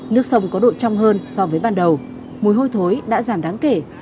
nước sông có độ trong hơn so với ban đầu mùi hôi thối đã giảm đáng kể